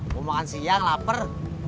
mau makan siang lapar